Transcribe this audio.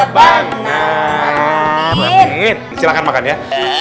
langa wajah tanah wakina adabang tiga puluh delapan delapan puluh satu makan ya